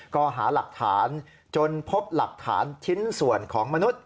ก็หาหลักฐานจนพบหลักฐานชิ้นส่วนของมนุษย